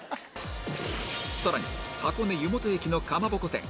さらに箱根湯本駅のかまぼこ店